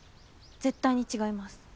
絶対に違います。